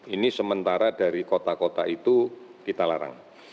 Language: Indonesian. ini sementara dari kota kota itu kita larang